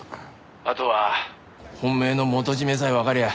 あとは本命の元締さえわかりゃ